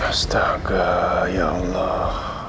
astaga ya allah